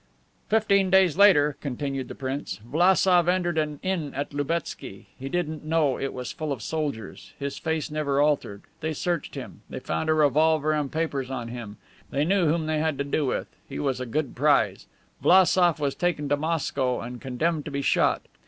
"Fifteen days later," continued the prince, "Vlassof entered an inn at Lubetszy. He didn't know it was full of soldiers. His face never altered. They searched him. They found a revolver and papers on him. They knew whom they had to do with. He was a good prize. Vlassof was taken to Moscow and condemned to be shot.